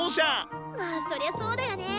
まあそりゃそうだよね。